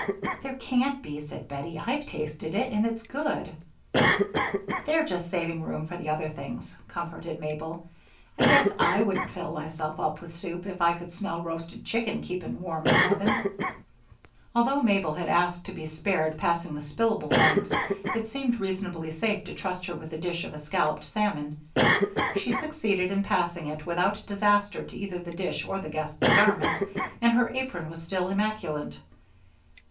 "There can't be," said Bettie. "I've tasted it and it's good." "They're just saving room for the other things," comforted Mabel. "I guess I wouldn't fill myself up with soup if I could smell roasted chicken keeping warm in the oven." Although Mabel had asked to be spared passing the spillable things, it seemed reasonably safe to trust her with the dish of escalloped salmon. She succeeded in passing it without disaster to either the dish or the guests' garments, and her apron was still immaculate.